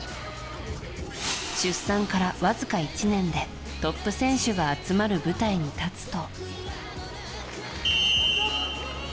出産から、わずか１年でトップ選手が集まる舞台に立つと。